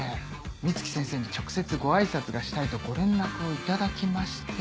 美月先生に直接ご挨拶がしたいとご連絡を頂きまして。